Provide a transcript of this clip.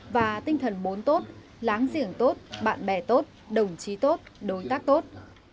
và tinh thần bốn tốt láng giềng tốt bạn bè tốt đồng chí tốt đối tác tốt